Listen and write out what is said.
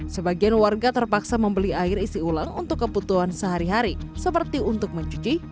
sebagian warga terpaksa membeli air isi ulang untuk kebutuhan sehari hari seperti untuk mencuci